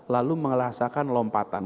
lalu merasakan lompatan